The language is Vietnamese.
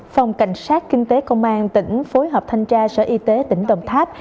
phòng cảnh sát kinh tế công an tỉnh phối hợp thanh tra sở y tế tỉnh đồng tháp